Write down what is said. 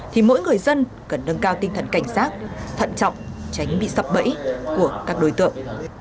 thì mỗi người dân cần nâng cao tinh thần cảnh giác thận trọng tránh bị sập bẫy của các đối tượng